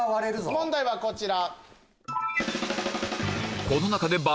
問題はこちら。